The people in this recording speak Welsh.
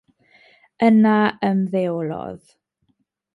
Yna ymddeolodd.